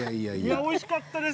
おいしかったです。